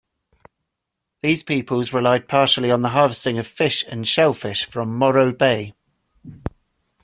These peoples relied partially on the harvesting of fish and shellfish from Morro Bay.